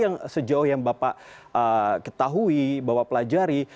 yang sejauh yang bapak ketahui bapak pelajari